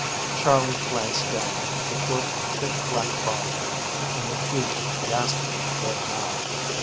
Charley glanced down at the short, thick, black body and the huge, gasping, red mouth.